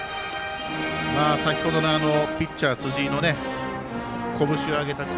先ほどのピッチャー辻井の拳を上げた声。